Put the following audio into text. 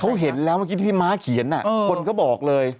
เขาเห็นแล้วเมื่อกี้ที่พี่ม้าเขียนคนก็บอกเลย